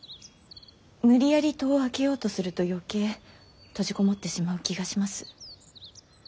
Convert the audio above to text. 無理やり戸を開けようとすると余計閉じ籠もってしまう気がします。